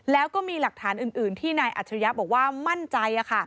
แล้วก็มีหลักฐานอื่นที่นายอัจฉริยะบอกว่ามั่นใจ